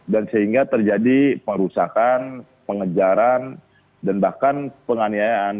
dan sehingga terjadi perusahaan pengejaran dan bahkan penganiayaan